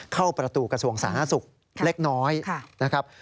เข้าประตูกระทรวงสถานศักดิ์ศุกร์เล็กน้อยนะครับ